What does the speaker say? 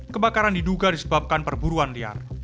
kebakaran diduga disebabkan perburuan liar